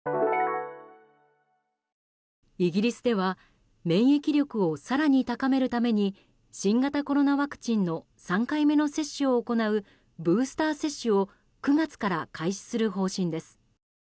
イギリスでは免疫力を更に高めるために新型コロナウイルスの３回目の接種を行うブースター接種を９月から開始する方針です。